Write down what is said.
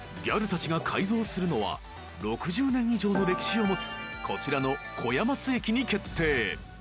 ［ギャルたちが改造するのは６０年以上の歴史を持つこちらの小谷松駅に決定］